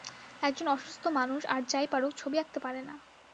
একজন অসুস্থ মানুষ আর যা-ই পারুক-ছবি আঁকতে পারে না।